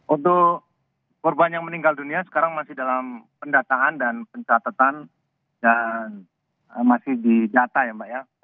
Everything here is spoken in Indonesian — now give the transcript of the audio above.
untuk korban yang meninggal dunia sekarang masih dalam pendataan dan pencatatan dan masih di data ya mbak ya